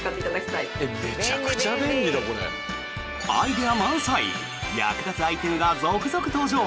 アイデア満載役立つアイテムが続々登場。